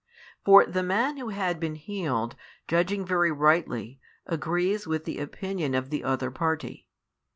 For the man who had been healed, judging very rightly, agrees with the opinion of the other party.